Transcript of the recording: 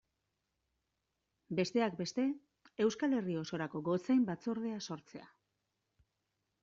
Besteak beste Euskal Herri osorako gotzain batzordea sortzea.